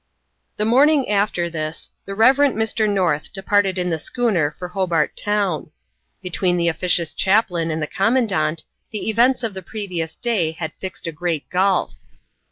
The morning after this, the Rev. Mr. North departed in the schooner for Hobart Town. Between the officious chaplain and the Commandant the events of the previous day had fixed a great gulf.